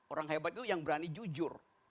orang hebat itu yang berani jujur